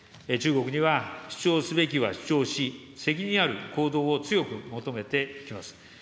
中国には主張すべきは主張し、責任ある行動を強く求めていきます。